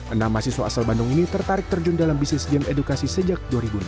enam mahasiswa asal bandung ini tertarik terjun dalam bisnis game edukasi sejak dua ribu enam belas